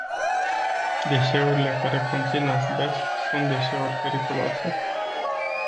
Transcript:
Deșeurile care conțin azbest sunt deșeuri periculoase.